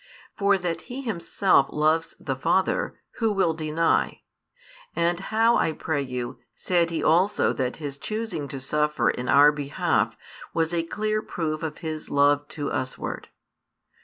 For that He Himself loves the Father, who will deny? And how, I pray you, said He also that His choosing to suffer in our behalf was a clear proof of His love to us ward?